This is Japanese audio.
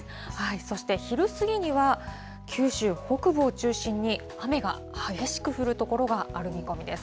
そして昼過ぎには、九州北部を中心に、雨が激しく降る所がある見込みです。